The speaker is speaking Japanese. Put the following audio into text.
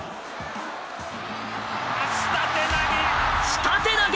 下手投げ！